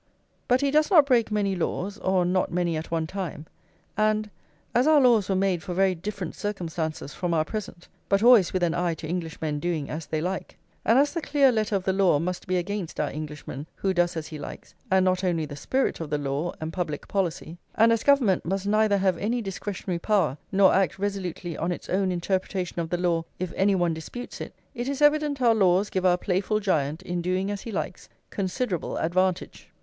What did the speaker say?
But he does not break many laws, or not many at one time; and, as our laws were made for very different circumstances from our present (but always with an eye to Englishmen doing as they like), and as the clear letter of the law must be against our Englishman who does as he likes and not only the spirit of the law and public policy, and as Government must neither have any discretionary power nor act resolutely on its own interpretation of the law if any one disputes it, it is evident our laws give our playful giant, in doing as he likes, considerable advantage.